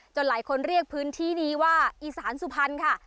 หลายคนเรียกพื้นที่นี้ว่าอีสานสุพรรณค่ะ